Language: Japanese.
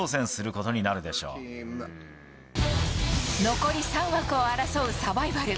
残り３枠を争うサバイバル。